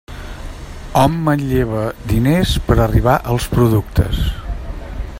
Hom manlleva diners per arribar als productes.